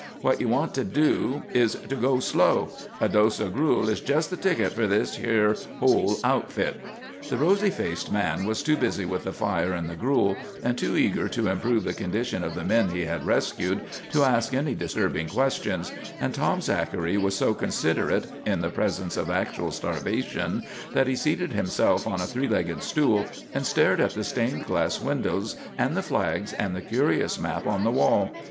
What you want to do is to go slow. A dose o' gruel is jest the ticket for this yer whole outfit." The rosy faced man was too busy with the fire and the gruel, and too eager to improve the condition of the men he had rescued, to ask any disturbing questions; and Tom Zachary was so considerate, in the presence of actual starvation, that he seated himself on a three legged stool, and stared at the stained glass windows and the flags and the curious map on the wall.